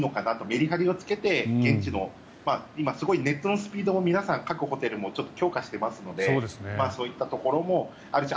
メリハリをつけて現地の今、すごいネットのスピードも各ホテルでちょっと強化していますのでそういったところもあるし